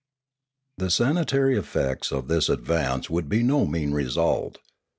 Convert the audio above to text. The sanitary effects of this advance would be no mean result.